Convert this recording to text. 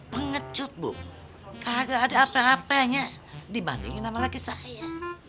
pengecut bu kakak ada apa apanya dibandingin sama laki saya